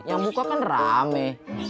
yang buka kan rame